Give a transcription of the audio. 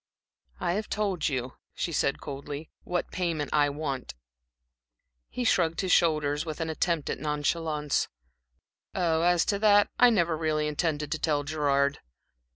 "I have told you," she said, coldly, "what payment I want." He shrugged his shoulders, with an attempt at nonchalance. "Oh, as to that, I never really intended to tell Gerard."